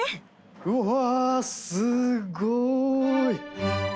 うわすごい。